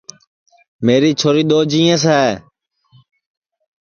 میری چھوری دؔو جِیئینٚس ہے